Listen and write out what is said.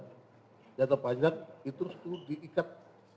senjata panjang itu diikat